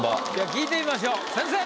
聞いてみましょう先生。